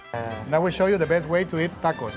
sekarang kita akan menunjukkan cara terbaik untuk makan takos